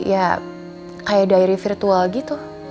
ya kayak diare virtual gitu